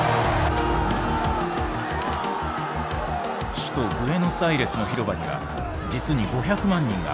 首都ブエノスアイレスの広場には実に５００万人が集まった。